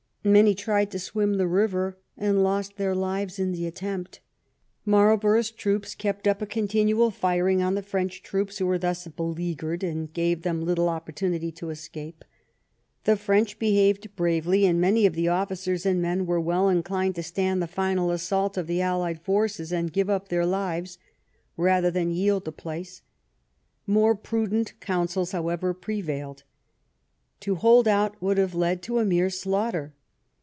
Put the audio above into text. Many tried to swim the river, and lost their lives in the attempt. Marlborough's troops kept up a continual firing on the French troops who were thus beleaguered, and gave them little opportunity of escape. . The French be haved bravely, and many of the officers and men were well inclined to stand the final assault of the allied forces and give up their lives rather than yield the place. More prudent counsels, however, prevailed — ^to hold out would have led to a mere slaughter.